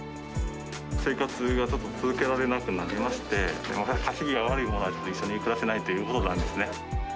生活がちょっと続けられなくなりまして、稼ぎが悪い者とは一緒に暮らせないということなんですね。